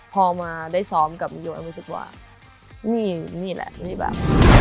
พอมาได้ซ้อมกับโยมรู้สึกว่านี่นี่แหละนี่แบบ